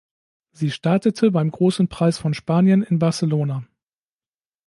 Sie startete beim Großen Preis von Spanien in Barcelona.